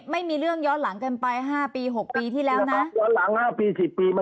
ไม่มีเรื่องย้อนหลังเกินไป๕๖ปีที่แล้วนะ